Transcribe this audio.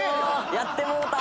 やってもうた！